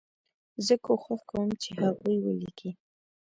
زه کوښښ کوم چې هغوی ولیکي.